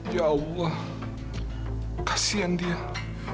ya allah kasihan dia